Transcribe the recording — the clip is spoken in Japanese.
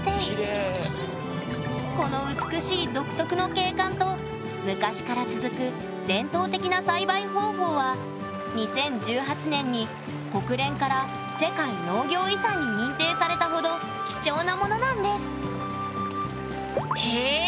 この美しい独特の景観と昔から続く伝統的な栽培方法は２０１８年に国連から世界農業遺産に認定されたほど貴重なものなんですへえ